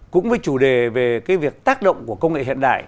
cũng với chủ đề về cái việc tác động của công nghệ hiện đại